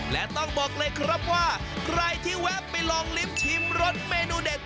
และต้องบอกเลยครับว่าใครที่แวะไปลองลิ้มชิมรสเมนูเด็ด